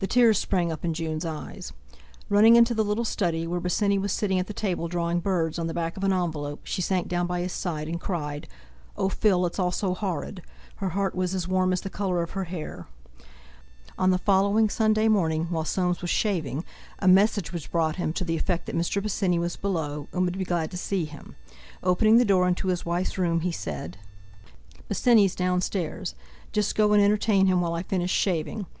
The tears sprang up in Jun's eyes; running into the little study, where Bosinney was sitting at the table drawing birds on the back of an envelope, she sank down by his side and cried: "Oh, Phil! it's all so horrid!" Her heart was as warm as the colour of her hair. On the following Sunday morning, while Soames was shaving, a message was brought him to the effect that Mr. Bosinney was below, and would be glad to see him. Opening the door into his wife's room, he said: "Bosinney's downstairs. Just go and entertain him while I finish shaving.